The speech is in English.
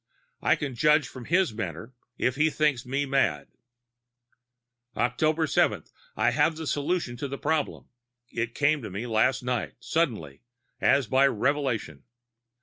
I can judge from his manner if he thinks me mad. "Oct. 7. I have the solution of the problem; it came to me last night suddenly, as by revelation.